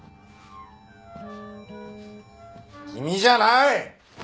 君じゃない！